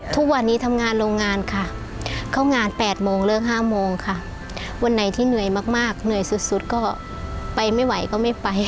ทุกวันนี้ทำงานโรงงานค่ะเข้างาน๘โมงเลิก๕โมงค่ะวันไหนที่เหนื่อยมากเหนื่อยสุดก็ไปไม่ไหวก็ไม่ไป